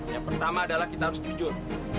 yang pertama adalah kita harus jujur